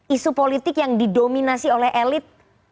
isu politik yang didominasi oleh elit